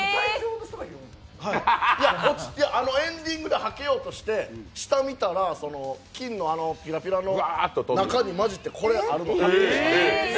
エンディングではけようとして、下見たら金のぴらぴらの中にまじってこれあるの発見したので。